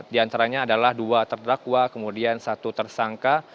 di antaranya adalah dua terdakwa kemudian satu tersangka